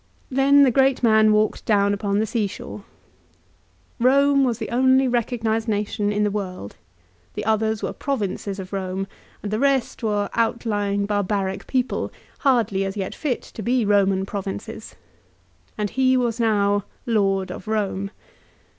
Then the great man walked down upon the sea shore. Eome was the only recognised nation in the world. The others were Provinces of Eome, and the rest were outlying barbaric people hardly as yet fit to be Eoman Provinces. And he was now lord of Eome.